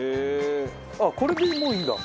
あっこれでもういいんだ。